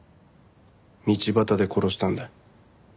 道端で殺したんだよ。